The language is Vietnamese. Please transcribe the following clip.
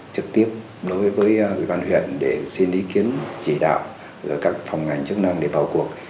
trực tiếp đối với ủy ban huyện để xin ý kiến chỉ đạo các phòng ngành chức năng để vào cuộc